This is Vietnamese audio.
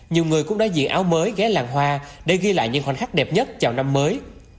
nhiều người cũng đã dự áo mới ghé làng hoa để ghi lại những khoảnh khắc đẹp nhất chào năm mới